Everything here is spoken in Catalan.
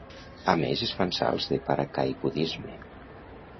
A més, es fan salts de paracaigudisme.